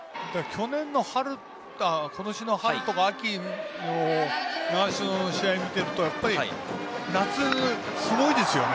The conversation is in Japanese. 去年の春、今年の春とか秋習志野の試合を見ていると夏すごいですよね。